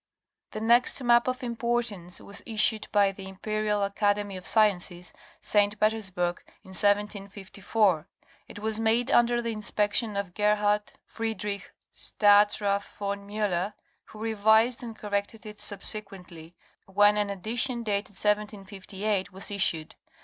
The next map of importance was issued by the Imperial Academy oF Sciences, St. Petersburg in 1754. It was made under the inspection of Gerhard Friedrich, Staatsrath von Miller, who revised and corrected it subsequently, when an edition dated 1758 was issued.